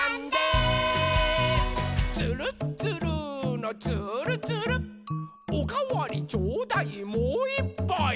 「つるっつるーのつーるつる」「おかわりちょうだいもういっぱい！」